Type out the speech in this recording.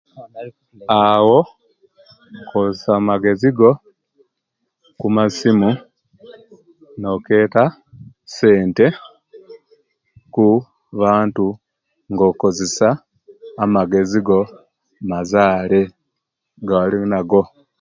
Awo okozesia magezi go kumasimu noketa sente ku bantu ngo okozesa amagezi go mazale agolinago